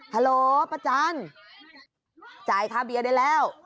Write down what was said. ฮัลโหลป้าจันจ่ายค่าเบียร์ได้แล้ว